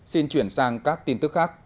xin chuyển sang các tin tức khác